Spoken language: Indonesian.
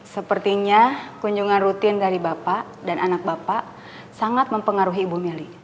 sepertinya kunjungan rutin dari bapak dan anak bapak sangat mempengaruhi ibu melly